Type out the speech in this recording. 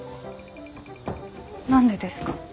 何でですか？